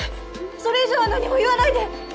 それ以上は何も言わないで。